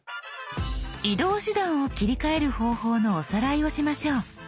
移動手段を切り替える方法のおさらいをしましょう。